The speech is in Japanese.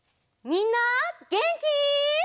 みんなげんき？